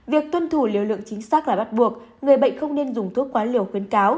việc tuân thủ liều lượng chính xác là bắt buộc người bệnh không nên dùng thuốc quá liều khuyến cáo